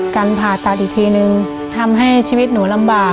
การผ่าตัดอีกทีนึงทำให้ชีวิตหนูลำบาก